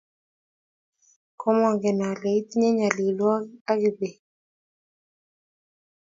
Komangen ale itinye nyalilwogik ak Kibet